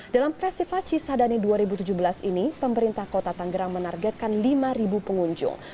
dalam festival cisadane dua ribu tujuh belas ini pemerintah kota tanggerang menargetkan lima pengunjung